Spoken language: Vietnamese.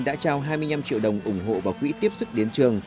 đã trao hai mươi năm triệu đồng ủng hộ và quỹ tiếp sức đến trường